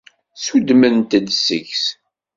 Suddment-ed ssegs.